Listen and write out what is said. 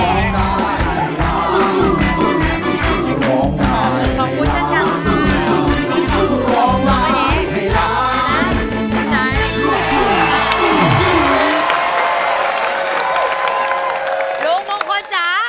ลุงมงคลจ๋า